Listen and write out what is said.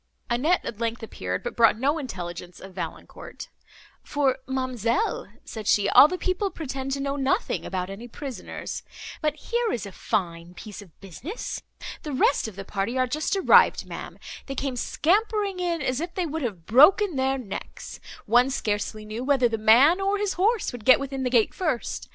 Annette at length appeared, but brought no intelligence of Valancourt, "For, ma'amselle," said she, "all the people pretend to know nothing about any prisoners. But here is a fine piece of business! The rest of the party are just arrived, ma'am; they came scampering in, as if they would have broken their necks; one scarcely knew whether the man, or his horse would get within the gates first.